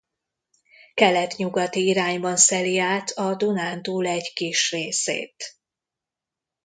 Kelet-nyugati irányban szeli át a Dunántúl egy kis részét.